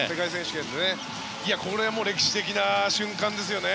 これ、歴史的な瞬間ですよね。